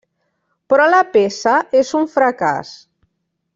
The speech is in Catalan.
Però la peça és un fracàs.